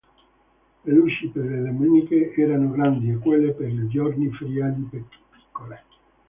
Le luci per le domeniche erano grandi e quelle per i giorni feriali piccole.